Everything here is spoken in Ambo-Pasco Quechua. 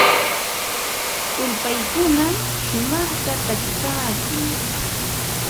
Ulpaykuna shumaqta takipaakun.